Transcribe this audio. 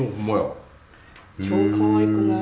超かわいくない？